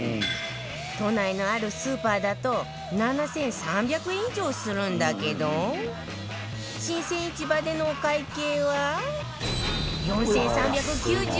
都内のあるスーパーだと７３００円以上するんだけど新鮮市場でのお会計は